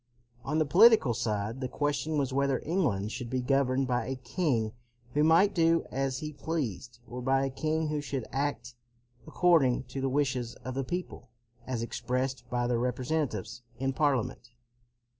On the political side the question was whether England should be governed by a king who might do as he pleased, or by a king who should act according to the wishes of the people as expressed by their representatives in Parliament.